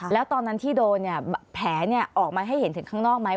แล้วตอนนั้นที่โดนเนี่ยแผลออกมาให้เห็นถึงข้างนอกไหม